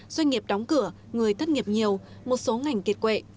doanh nghiệp đóng cửa người thất nghiệp nhiều một số ngành kiệt quệ